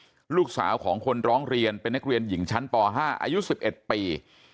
ลูกสาวของคนร้องเรียนเป็นนักเรียนหญิงชั้นป๕อายุ๑๑ปี